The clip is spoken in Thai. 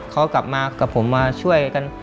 เขากลับมากับผมมาช่วยกัน